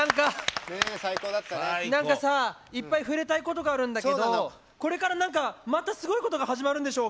なんかさ、いっぱい触れたいことがあるんだけどこれから、またすごいことが始まるんでしょ。